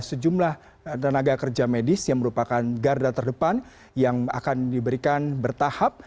sejumlah tenaga kerja medis yang merupakan garda terdepan yang akan diberikan bertahap